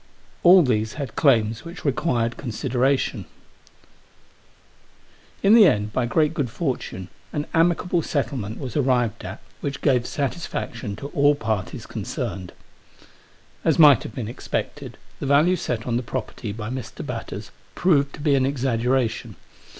All these had claims which required consideration. In Digitized by HOW MATTERS STAND TO DAY. 307 the end, by great good fortune, an amicable settlement was arrived at, which gave satisfaction to all parties concerned. As might have been expected, the value set on the property by Mr. Batters proved to be an exaggeration.